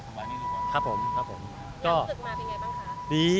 หลังศึกมาเป็นไงบ้างสักครับ